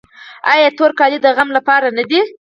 آیا تور کالي د غم لپاره نه دي؟